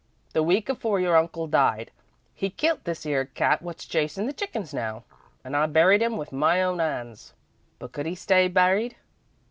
The week afore your uncle died, he kilt this 'ere cat wot's chasin' the chickens now, and I buried 'im with my own hands, but could 'e stay buried?